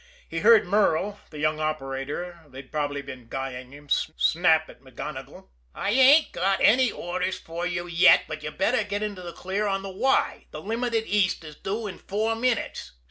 He heard Merle, the young operator they'd probably been guying him snap at MacGonigle: "I ain't got any orders for you yet, but you'd better get into the clear on the Y the Limited, east, is due in four minutes."